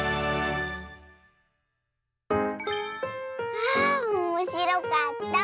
あおもしろかった。